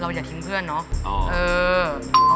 อย่าทิ้งเพื่อนเนาะ